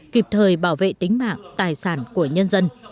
kịp thời bảo vệ tính mạng tài sản của nhân dân